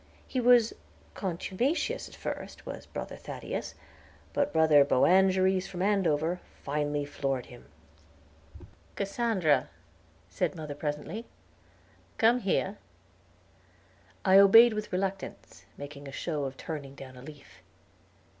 He was contumacious at first, was Brother Thaddeus, but Brother Boanerges from Andover finally floored him. "Cassandra," said mother, presently, "come here." I obeyed with reluctance, making a show of turning down a leaf.